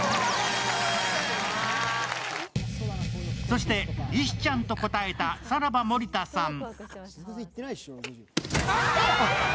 そして石ちゃんと答えたさらば・森田さん。